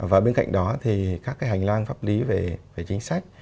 và bên cạnh đó thì các cái hành lang pháp lý về chính sách